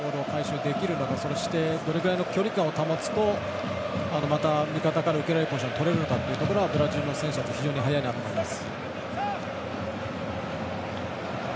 どれぐらいの距離感を保つとまた味方から受けられるポジションをとれるかっていうところがブラジルの選手だと非常に速いと思います。